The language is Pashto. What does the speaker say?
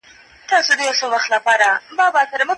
حیوانات هم د ژوند حق لري.